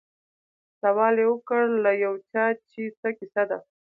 سوال یې وکړ له یو چا چي څه کیسه ده